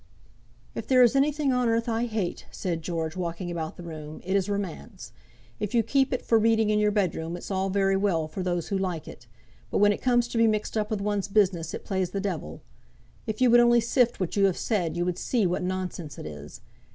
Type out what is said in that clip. "If there is anything on earth I hate," said George, walking about the room, "it is romance. If you keep it for reading in your bedroom, it's all very well for those who like it, but when it comes to be mixed up with one's business it plays the devil. If you would only sift what you have said, you would see what nonsense it is.